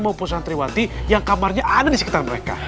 maupun santriwati yang kamarnya ada di sekitar mereka